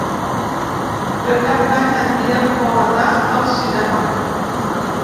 Per Cap d'Any en Biel vol anar al cinema.